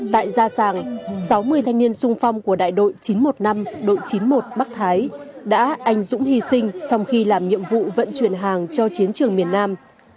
tại gia sàng sáu mươi thanh niên sung phong của đại đội chín trăm một mươi năm đội chín mươi một bắc thái đã anh dũng hy sinh trong khi làm nhiệm vụ vận chuyển hàng cho chiến trường miền nam